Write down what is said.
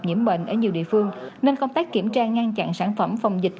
nhiễm bệnh ở nhiều địa phương nên công tác kiểm tra ngăn chặn sản phẩm phòng dịch